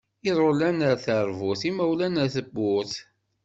Iḍulan ar terbut, imawlan ar tewwurt.